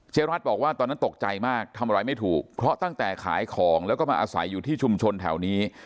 รัฐบอกว่าตอนนั้นตกใจมากทำอะไรไม่ถูกเพราะตั้งแต่ขายของแล้วก็มาอาศัยอยู่ที่ชุมชนแถวนี้